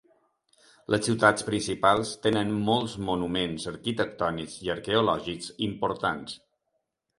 Les ciutats principals tenen molts monuments arquitectònics i arqueològics importants.